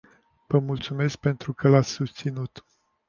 Vă mulțumesc pentru că l-ați susținut.